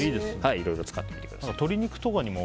いろいろ使ってみてください。